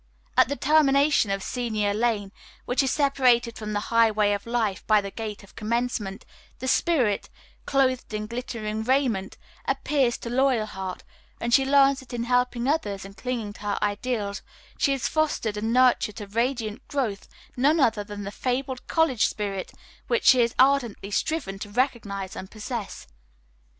At the termination of Senior Lane, which is separated from the Highway of Life by the Gate of Commencement, the Spirit, clothed in glittering raiment, appears to Loyalheart, and she learns that in helping others and clinging to her ideals she has fostered and nurtured to radiant growth none other than the fabled College Spirit which she has ardently striven to recognize and possess.